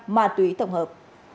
mà túy tổng hợp